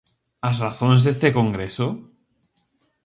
As razóns deste congreso?